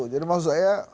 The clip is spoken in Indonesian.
jadi maksud saya